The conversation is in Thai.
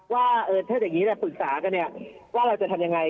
ว่าถ้าอย่างนี้แหละปรึกษากันเนี่ยว่าเราจะทำยังไง